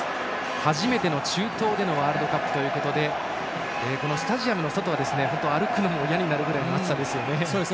初めての中東でのワールドカップということでスタジアムの外は歩くのもいやになるような暑さですね。